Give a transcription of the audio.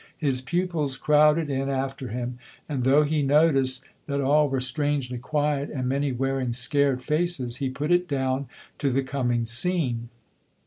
His pupils crowded in after him, and though he noticed that all were strangely quiet and many wearing scared faces, he put it down to the coming scene.